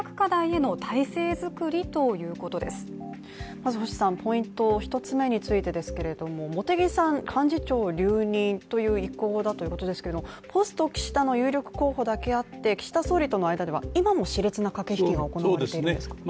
まず、ポイント一つ目についてですけれども茂木さん、幹事長留任という意向だそうですけれども、ポスト岸田の有力候補なだけあって、岸田総理との間では今もし烈な駆け引きが行われているんですか。